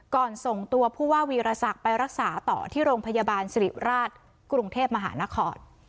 ส่งตัวผู้ว่าวีรศักดิ์ไปรักษาต่อที่โรงพยาบาลสิริราชกรุงเทพมหานคร